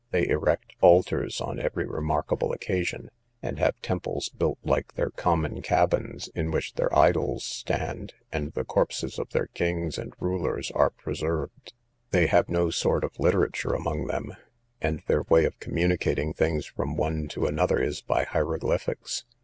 They erect altars on every remarkable occasion, and have temples built like their common cabins, in which their idol stands, and the corpses of their kings and rulers are preserved. They have no sort of literature among them; and their way of communicating things from one to another is by hieroglyphics.